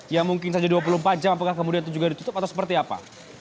ya mungkin saja dua puluh empat jam apakah kemudian itu juga ditutup atau seperti apa